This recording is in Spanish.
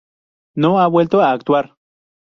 No ha vuelto a actuar.